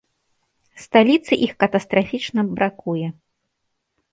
Сталіцы іх катастрафічна бракуе.